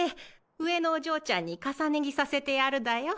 上のお嬢ちゃんに重ね着させてやるだよ。